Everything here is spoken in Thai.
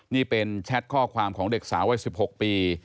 นี่เป็นแชทข้อความของเด็กสาววัย๑๖ปี